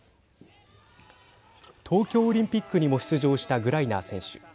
東京オリンピックにも出場したグライナー選手。